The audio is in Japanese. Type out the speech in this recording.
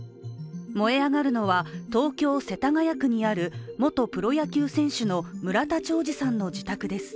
燃え上がるのは、東京・世田谷区にある元プロ野球選手の村田兆治さんの自宅です。